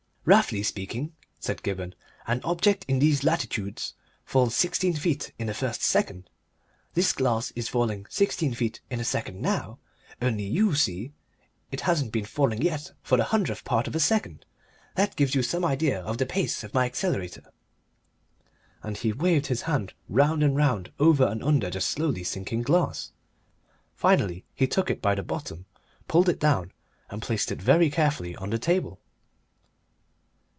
"Roughly speaking," said Gibberne, "an object in these latitudes falls 16 feet in the first second. This glass is falling 16 feet in a second now. Only, you see, it hasn't been falling yet for the hundredth part of a second. That gives you some idea of the pace of my Accelerator." And he waved his hand round and round, over and under the slowly sinking glass. Finally, he took it by the bottom, pulled it down, and placed it very carefully on the table.